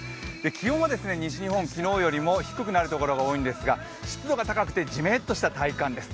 気温は西日本、昨日よりも低くなるところが多いんですが、湿度が高くてじめっとした体感です。